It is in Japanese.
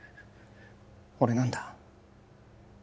俺なんだ